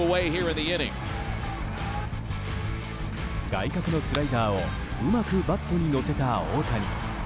外角のスライダーをうまくバットに乗せた大谷。